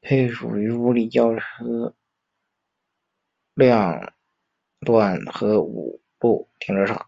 配属于五里桥车辆段和五路停车场。